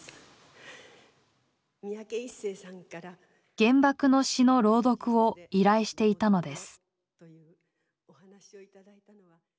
原爆の詩の朗読を依頼していたのです。